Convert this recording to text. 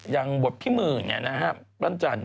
อย่างบทพี่หมื่นเนี่ยนะฮะ